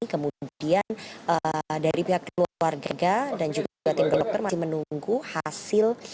kemudian dari pihak keluarga dan juga tim dokter masih menunggu hasil